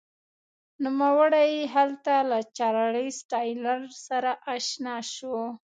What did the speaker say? نوموړی هلته له چارلېز ټایلر سره اشنا شو.